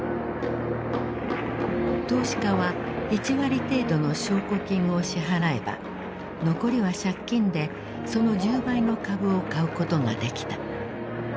投資家は１割程度の証拠金を支払えば残りは借金でその１０倍の株を買うことができた。